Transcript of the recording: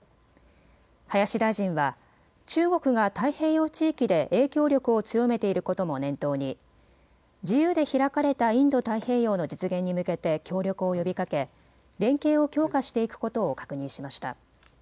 林大臣は中国が太平洋地域で影響力を強めていることも念頭に自由で開かれたれたインド太平洋の実現に向けて協力を呼びかけ連携を強化していくことを確認しました。